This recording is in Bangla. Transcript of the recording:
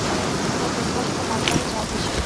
তাই প্রস্তাবটা বারে বারে যায় ফেঁসে।